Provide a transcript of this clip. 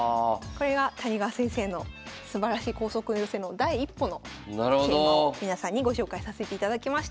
これが谷川先生のすばらしい光速の寄せの第一歩の桂馬を皆さんにご紹介させていただきました。